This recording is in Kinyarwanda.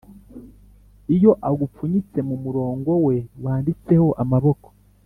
iyo agupfunyitse mumurongo we wanditseho amaboko,